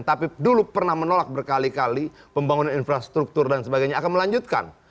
tapi dulu pernah menolak berkali kali pembangunan infrastruktur dan sebagainya akan melanjutkan